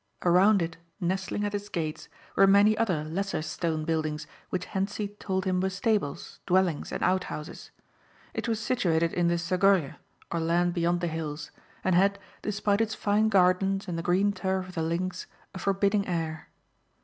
Around it, nestling at its gates were many other lesser stone buildings which Hentzi told him were stables, dwellings and out houses. It was situated in the Zagorje or land beyond the hills and had, despite its fine gardens and the green turf of the links a forbidding air.